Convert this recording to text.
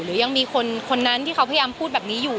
หรือยังมีคนนั้นที่เขาพยายามพูดแบบนี้อยู่